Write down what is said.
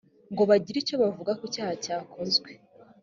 ngo bagire icyo bavuga ku cyaha cyakozwe